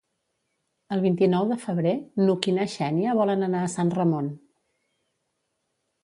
El vint-i-nou de febrer n'Hug i na Xènia volen anar a Sant Ramon.